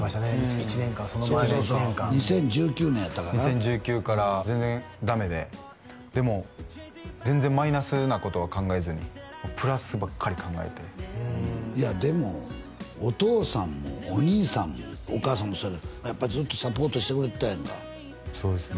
１年間その前の１年間そうそうそう２０１９年やったかな２０１９から全然ダメででも全然マイナスなことは考えずにプラスばっかり考えていやでもお父さんもお兄さんもお母さんもそうやっぱずっとサポートしてくれてたやんかそうですね